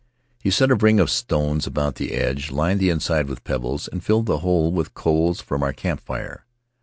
He set a ring of stones about the edge, lined the inside with pebbles, and filled the whole with coals from our camp fire.